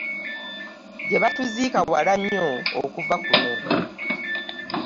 Gye batuziika wala nnyo okuva kuno.